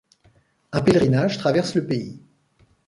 Un pélerinage traverse le pays.